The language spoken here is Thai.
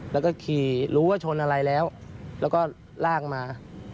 แล้วก็ขี่รู้ว่าชนอะไรแล้วแล้วก็ลากมา